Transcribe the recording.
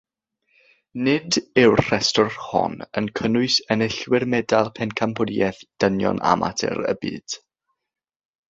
“Nid” yw'r rhestr hon yn cynnwys enillwyr medal Pencampwriaeth Dynion Amatur y Byd.